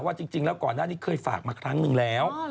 จริงแล้วก่อนหน้านี้เคยฝากมาครั้งหนึ่งแล้ว